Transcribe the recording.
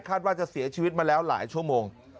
ว่าจะเสียชีวิตมาแล้วหลายชั่วโมง